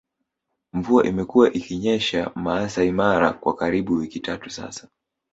Mvua imekuwa ikinyesha Maasai Mara kwa karibu wiki tatu sasa